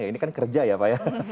ini kan kerja ya pak ya